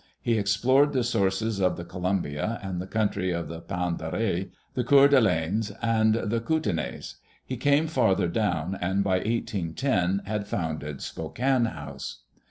He explored the sources of the Columbia and the country of the Pend d'Oreilles, the Coeur d'Alenes, and the Kootenais. He came farther down, and by 18 10 had founded Spokane House.